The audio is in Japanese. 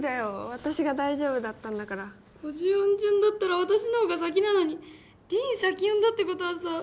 私が大丈夫だったんだから５０音順だったら私の方が先なのに凛先呼んだってことはさ